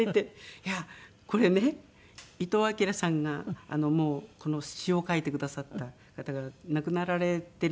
いやこれね伊藤アキラさんがこの詞を書いてくださった方が亡くなられてるんです。